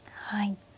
はい。